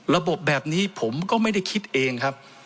ระบบแบบนี้ผมก็ไม่ได้คิดเองครับ